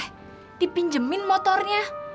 kamu mau dipinjemin motornya